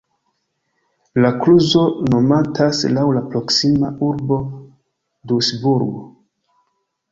La kluzo nomatas laŭ la proksima urbo Duisburg.